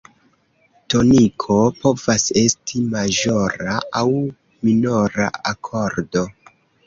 Toniko povas esti maĵora aŭ minora akordo.